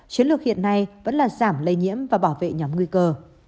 chiến lược hiện nay vẫn là giảm lây nhiễm và bảo vệ nhóm nguy cơ